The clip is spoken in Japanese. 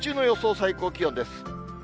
最高気温です。